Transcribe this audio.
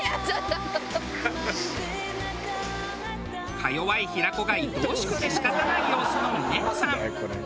か弱い平子がいとおしくて仕方ない様子の峰子さん。